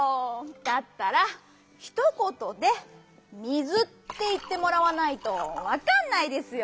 だったらひとことで「水」っていってもらわないとわかんないですよ！